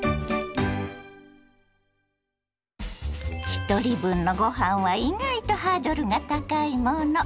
ひとり分のごはんは意外とハードルが高いもの。